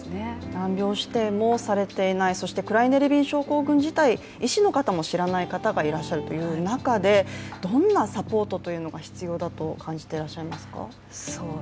難病指定もされていないそしてクライネ・レビン症候群を医師の方も知らない方がいるという中でどんなサポートが必要だと感じてらっしゃいますか？